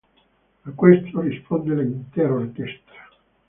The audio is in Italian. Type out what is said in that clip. A questo risponde l'intera orchestra.